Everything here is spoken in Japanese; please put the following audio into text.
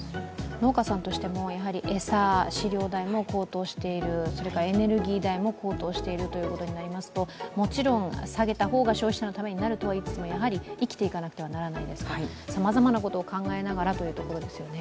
農家さんとしても、餌飼料代も高騰しているそれからエネルギー代も高騰しているということになりまと、もちろん下げた方が消費者のためになるとは言いつつもやはり生きていかなくてはならないですからさまざまなことを考えながらというところですよね。